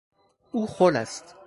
او خل است.